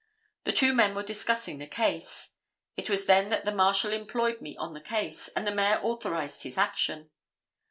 The two men were discussing the case. It was then that the Marshal employed me on the case, and the Mayor authorized his action.